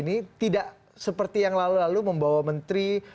ini tidak seperti yang lalu lalu membawa menteri